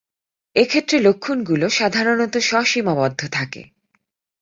এক্ষেত্রে লক্ষণগুলো সাধারণত স্ব-সীমাবদ্ধ থাকে।